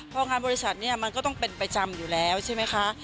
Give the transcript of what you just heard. พองานบริษัทเนี่ยมันก็ต้องเป็นประจำอยู่แล้วใช่ไหมคะ